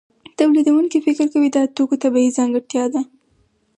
تولیدونکی فکر کوي دا د توکو طبیعي ځانګړتیا ده